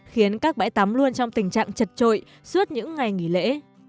khiến các bãi tắm luôn trong tình trạng chật trội suốt những ngày nghỉ lễ